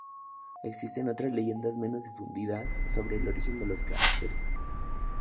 Existen otras leyendas menos difundidas sobre el origen de los caracteres.